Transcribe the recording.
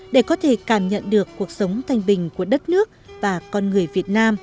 để có thể cảm nhận được cuộc sống thanh bình của đất nước và con người việt nam